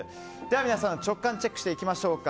皆さんの直感チェックしていきましょうか。